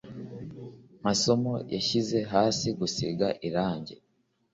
masomo yashyize hasi gusiga irangi.